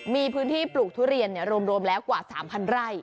มีพื้นที่ปลูกทุเรียนรวมแล้วกว่า๓๐๐ไร่